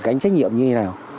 cánh trách nhiệm như thế nào